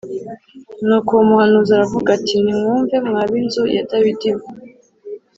Nuko uwo muhanuzi aravuga ati nimwumve mwa b inzu ya Dawidi